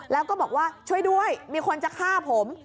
แล้วก็บอกว่าช่วยด้วยมีคนจะฆ่าผม